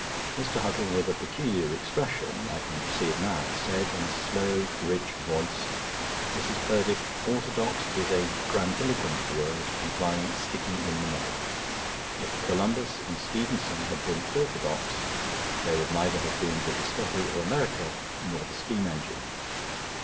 Mr. Huttle, with a peculiar expression (I can see it now) said in a slow rich voice: "Mrs. Purdick, 'orthodox' is a grandiloquent word implying sticking in the mud. If Columbus and Stephenson had been orthodox, there would neither have been the discovery of America nor the steam engine."